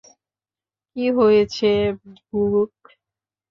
কী হয়েছে, ব্যুক?